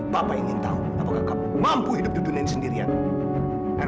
papa ingin tahu apakah kamu mampu hidup di dunia ini sendirian